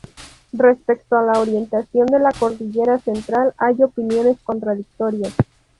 Respecto a la orientación de la Cordillera Central hay opiniones contradictorias.